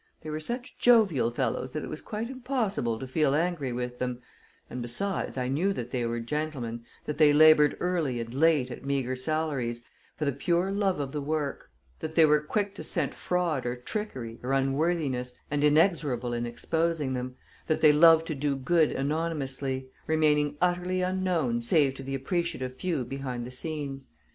They were such jovial fellows that it was quite impossible to feel angry with them and besides, I knew that they were gentlemen, that they labored early and late at meager salaries, for the pure love of the work; that they were quick to scent fraud or trickery or unworthiness, and inexorable in exposing them; that they loved to do good anonymously, remaining utterly unknown save to the appreciative few behind the scenes.